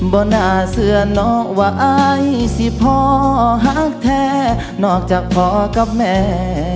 บ่น่าเสือหนอไหว้สิพอหักแท้นอกจากพอกับแม่